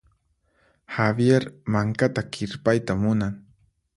Javier mankata kirpayta munan.